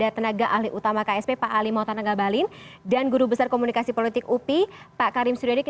ternaga ahli utama ksp pak ali moutanangga balin dan guru besar komunikasi politik upi pak karim sudari